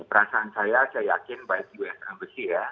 perasaan saya saya yakin baik u s a b c ya